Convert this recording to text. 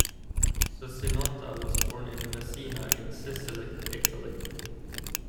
Cucinotta was born in Messina in Sicily, Italy.